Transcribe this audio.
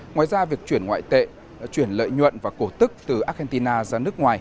ngoài ra việc chuyển ngoại tệ chuyển lợi nhuận và cổ tức từ argentina ra nước ngoài